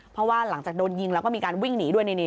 เพราะว่าหลังจากโดนยิงแล้วก็มีการวิ่งหนีด้วย